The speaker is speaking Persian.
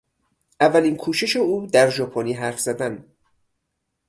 اولین کوشش او در ژاپنی حرف زدن